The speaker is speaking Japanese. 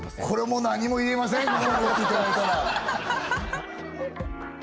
これもう何も言えません